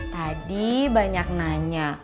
tadi banyak nanya